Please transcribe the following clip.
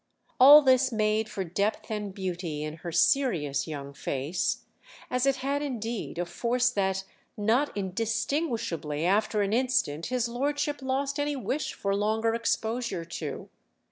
All this made for depth and beauty in her serious young face—as it had indeed a force that, not indistinguishably, after an instant, his lordship lost any wish for longer exposure to.